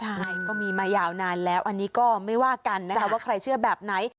ใช่ก็มีมายาวนานแล้วอันนี้ก็ไม่ว่ากันนะคะว่าใครเชื่อแบบไหน